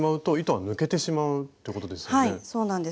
はいそうなんです。